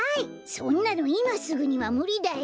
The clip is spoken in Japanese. そんなのいますぐにはむりだよ。